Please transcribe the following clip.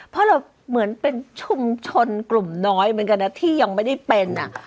เพราะเราเหมือนเป็นชุมชนกลุ่มน้อยเหมือนกันนะที่ยังไม่ได้เป็น